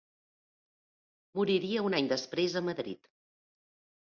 Moriria un any després a Madrid.